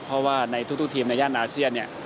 เพราะว่าในทุกทีมในย่านอาเซียนเนี่ย